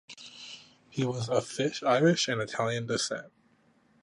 He was of Irish and Italian descent.